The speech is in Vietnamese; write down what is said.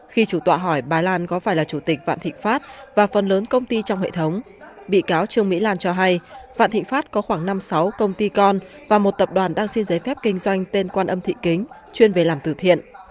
khi chủ tọa hỏi bà lan có phải là chủ tịch vạn thịnh pháp và phần lớn công ty trong hệ thống bị cáo trương mỹ lan cho hay vạn thịnh pháp có khoảng năm sáu công ty con và một tập đoàn đang xin giấy phép kinh doanh tên quan âm thị kính chuyên về làm từ thiện